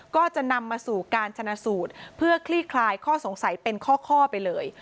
ก็จะนำมาสู่การชนะสูตรเพื่อคลี่คลายข้อสงสัยเป็นข้อไปเลย